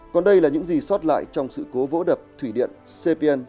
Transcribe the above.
còn đây là những gì xót lại trong sự cố vỗ đập thủy điện cpn